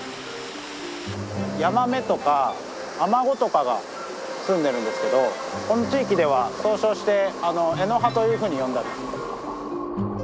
ヤマメとかアマゴとかがすんでるんですけどこの地域では総称してエノハというふうに呼んだり。